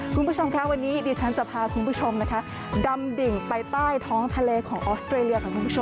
คุณผู้ชมค่ะวันนี้ดิฉันจะพาคุณผู้ชมดำดิ่งไปใต้ท้องทะเลของออสเตรเลีย